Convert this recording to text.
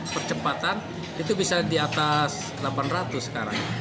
percepatan itu bisa di atas delapan ratus sekarang